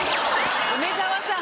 梅沢さん！